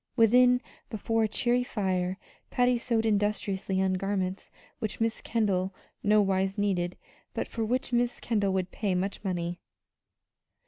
Within, before a cheery fire, Patty sewed industriously on garments which Miss Kendall no wise needed, but for which Miss Kendall would pay much money.